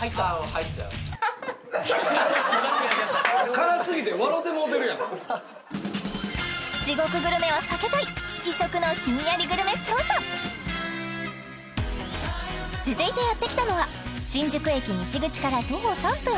入っちゃう地獄グルメは避けたい異色のひんやりグルメ調査続いてやってきたのは新宿駅西口から徒歩３分